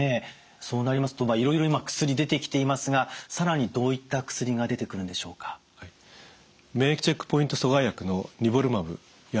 そうなりますといろいろ今薬出てきていますが更にどういった薬が出てくるんでしょうか？を単独で治療します。